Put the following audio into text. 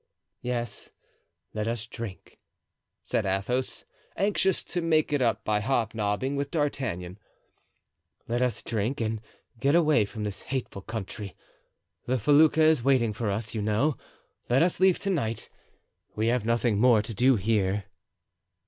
"Yes, let us drink," said Athos, anxious to make it up by hobnobbing with D'Artagnan, "let us drink and get away from this hateful country. The felucca is waiting for us, you know; let us leave to night, we have nothing more to do here."